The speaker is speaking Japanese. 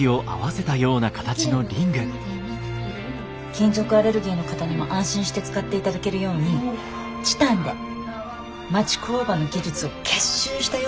金属アレルギーの方にも安心して使っていただけるようにチタンで町工場の技術を結集したような。